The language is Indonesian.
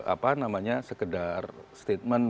apa namanya sekedar statement